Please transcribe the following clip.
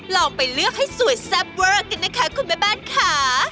ลองไปเลือกให้สวยแซ่บเวอร์กันนะคะคุณแม่บ้านค่ะ